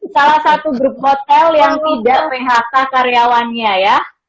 salah satu grup hotel yang tidak phk karyawannya ya